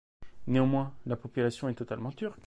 Néanmoins la population est totalement turque.